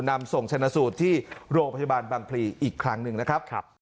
นำส่งชนะสูตรที่โรงพยาบาลบางพลีอีกครั้งหนึ่งนะครับ